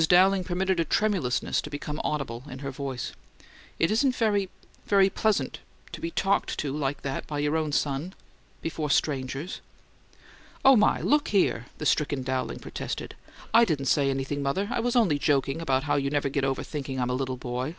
Dowling permitted a tremulousness to become audible in her voice. "It isn't very very pleasant to be talked to like that by your own son before strangers!" "Oh, my! Look here!" the stricken Dowling protested. "I didn't say anything, mother. I was just joking about how you never get over thinking I'm a little boy.